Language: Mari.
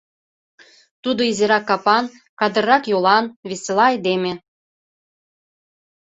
Тудо изирак капан, кадыррак йолан, весела айдеме.